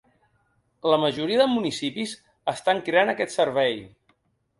La majoria de municipis estan creant aquest servei.